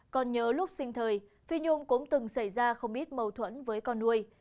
còn nhớ lúc sinh thời phi nhung cũng từng xảy ra không ít mâu thuẫn với con nuôi